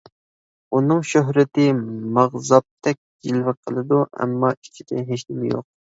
ئۇنىڭ شۆھرىتى ماغزاپتەك جىلۋە قىلىدۇ، ئەمما ئىچىدە ھېچنېمە يوق.